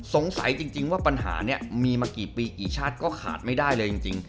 สงสัยจริงว่าปัญหานี้มีมากี่ปีกี่ชาติก็ขาดไม่ได้เลยจริง